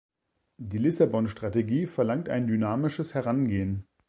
Die Lissabon-Strategie verlangt ein dynamisches Herangehen.